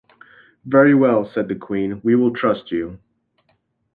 "Very well," said the Queen, "we will trust you".